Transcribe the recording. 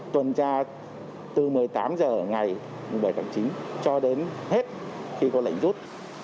tuần tra từ một mươi tám h ngày bảy tháng chín cho đến hết khi có lệnh rút